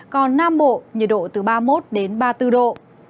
còn nam bộ nhiệt độ từ ba mươi một ba mươi bốn độ